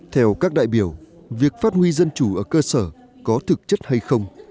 theo các đại biểu việc phát huy dân chủ ở cơ sở có thực chất hay không